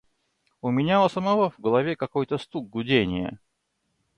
У меня у самого в голове какой-то стук, гудение.